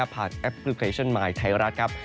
แอปพลิเคชันมายไทยรัฐครับ